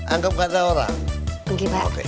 anggep kata orang oke pak oke